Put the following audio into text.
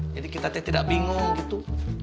jadi kita teh tidak bingung gitu